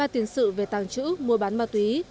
ba tiền sự về tàng trữ mua bán ma túy